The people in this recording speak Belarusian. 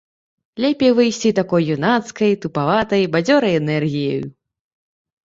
Лепей выйсці такой юнацкай, тупаватай, бадзёрай энергіяю.